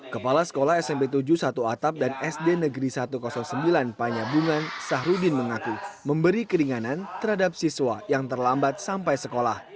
kepala sekolah smp tujuh satu atap dan sd negeri satu ratus sembilan panyabungan sahrudin mengaku memberi keringanan terhadap siswa yang terlambat sampai sekolah